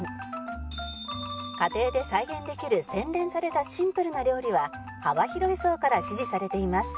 家庭で再現できる洗練されたシンプルな料理は幅広い層から支持されています